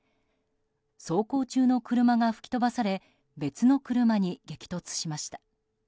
走行中の車が吹き飛ばされ別の車に激突しました。